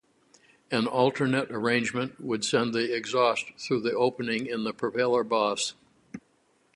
An alternate arrangement would send the exhaust through an opening in the propeller boss.